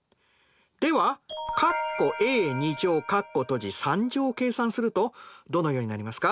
ではを計算するとどのようになりますか？